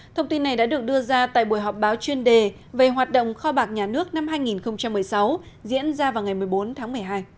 thông tin này đã được đưa ra tại buổi họp báo chuyên đề về hoạt động kho bạc nhà nước năm hai nghìn một mươi sáu diễn ra vào ngày một mươi bốn tháng một mươi hai